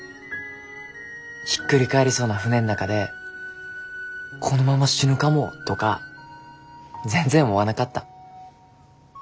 ひっくり返りそうな船ん中でこのまま死ぬかもとか全然思わなかった。